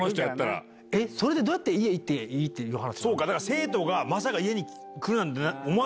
それでどうやって家行っていいっていう話に。